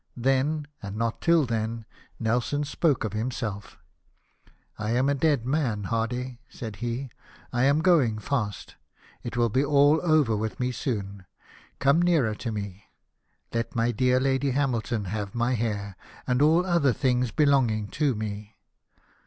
Then, and not till then, Nelson spoke of himself " I am a dead man. Hardy," said he ; "I am going fast ; it will be all over with me soon. Come nearer to me. Let my dear Lady Hamilton have my hair, and all other things belonging to me."